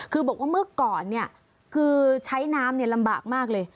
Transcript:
คือบอกว่าเมื่อก่อนคือใช้น้ำลำบากมากเลย